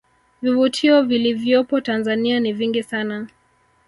Vivutio vilivyopo tanzania ni vingi sana